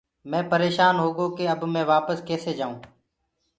مينٚ پريشان هوگو ڪي اب مي وپس ڪسي جآيونٚ۔